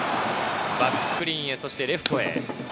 バックスクリーンへ、レフトへ。